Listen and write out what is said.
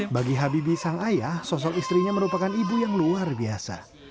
bagi habibi sang ayah sosok istrinya merupakan ibu yang luar biasa